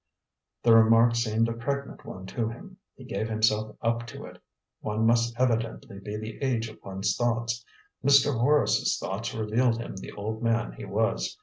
The remark seemed a pregnant one to him; he gave himself up to it. One must evidently be the age of one's thoughts. Mr. Horace's thoughts revealed him the old man he was.